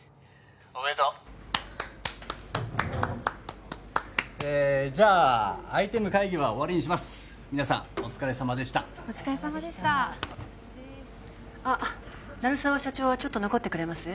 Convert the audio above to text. おめでとうえじゃあアイテム会議は終わりにします皆さんお疲れさまでしたお疲れさまでしたあっ鳴沢社長はちょっと残ってくれます？